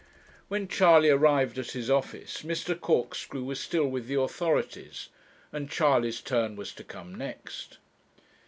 When Charley arrived at his office, Mr. Corkscrew was still with the authorities, and Charley's turn was to come next.